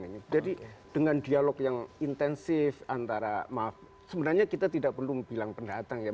ini jadi dengan dialog yang intensif antara maaf sebenarnya kita tidak perlu bilang pendatang ya